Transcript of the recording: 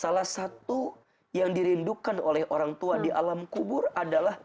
salah satu yang dirindukan oleh orang tua di alam kubur adalah